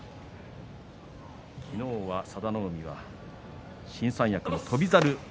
昨日は佐田の海が新三役の翔猿